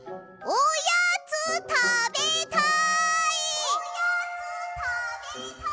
おやつたべたい。